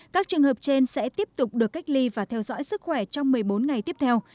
các trường hợp trên sẽ tiếp tục được cách ly và theo dõi sức khỏe trong một mươi bốn ngày tiếp theo